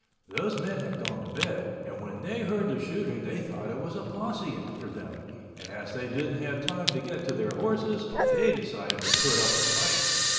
Those men had gone to bed and when they heard the shooting they thought it was a posse after them, and as they didn't have time to get to their horses, they decided to put up a fight.